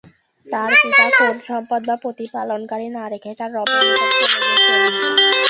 তাঁর পিতা কোন সম্পদ বা প্রতিপালনকারী না রেখেই তার রবের নিকট চলে গেছেন।